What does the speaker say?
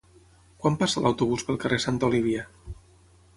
Quan passa l'autobús pel carrer Santa Olívia?